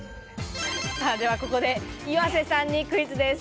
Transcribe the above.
では、ここで岩瀬さんにクイズです。